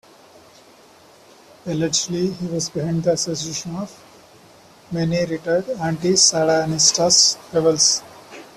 Allegedly, he was behind the assassination of many retired anti-sandinistas rebels.